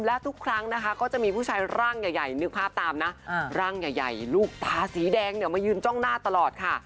และทุกครั้งนะคะก็จะมีผู้ชายร่างใหญ่นึกภาพตามนะร่างใหญ่ลูกตาสีแดงเนี่ยมายืนจ้องหน้าตลอดค่ะ